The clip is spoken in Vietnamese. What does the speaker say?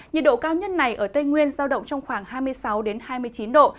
nhiệt độ cao nhất này ở tây nguyên giao động trong khoảng hai mươi sáu hai mươi chín độ